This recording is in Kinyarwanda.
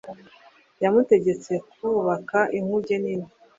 yamutegetse kubaka inkuge nini